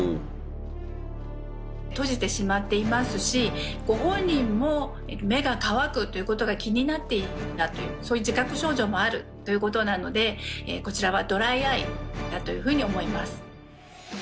閉じてしまっていますしご本人も目が乾くということが気になっていたというそういう自覚症状もあるということなのでこちらはドライアイだというふうに思います。